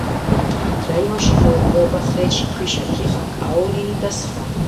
რაიონში მოიპოვება ხრეში, ქვიშა, თიხა, კაოლინი და სხვა.